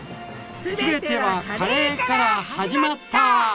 「すべてはカレーから始まった」